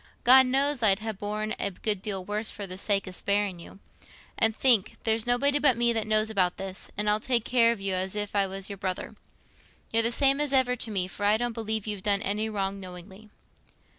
God knows I'd ha' borne a good deal worse for the sake o' sparing it you. And think—there's nobody but me knows about this, and I'll take care of you as if I was your brother. You're the same as ever to me, for I don't believe you've done any wrong knowingly."